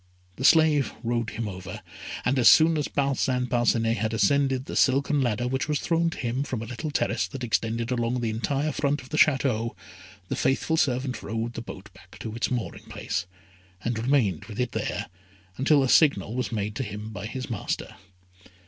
The slave rowed him over, and as soon as Parcin Parcinet had ascended the silken ladder which was thrown to him from a little terrace that extended along the entire front of the Château, the faithful servant rowed the boat back to its mooring place, and remained with it there until a signal was made to him by his master.